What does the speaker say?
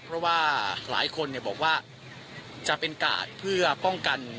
เพราะว่าหลายคนบอกว่าจะเป็นกาดเพื่อป้องกัน